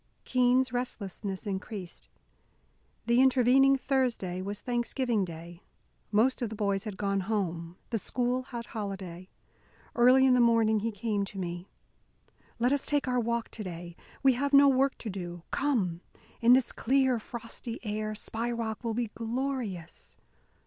Keene's restlessness increased. The intervening Thursday was Thanksgiving Day; most of the boys had gone home; the school had holiday. Early in the morning he came to me. "Let us take our walk to day. We have no work to do. Come! In this clear, frosty air, Spy Rock will be glorious!"